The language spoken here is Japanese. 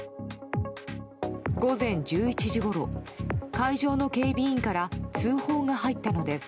午前１１時ごろ会場の警備員から通報が入ったのです。